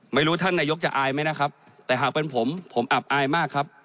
ไม่รู้ท่านนายกจะอายไหมนะครับแต่หากเป็นผมผมอับอายมากครับ